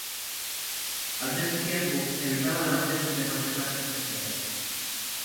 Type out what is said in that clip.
Al mesmu tiempu, evitaba la nacencia de males plantes nes tierres.